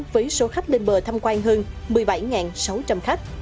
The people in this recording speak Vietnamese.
với số khách lên bờ tham quan hơn một mươi bảy sáu trăm linh khách